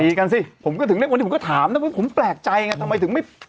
ตีกันสิผมก็ถึงได้วันนี้ผมก็ถามนะผมแปลกใจอ่ะทำไมถึงไม่